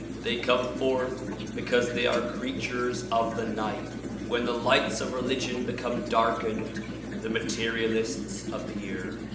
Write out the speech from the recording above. They come forth because they are creatures of the night. When the lights of religion become darkened the materialists appear.